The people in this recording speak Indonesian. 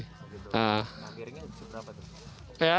nah miringnya berapa tuh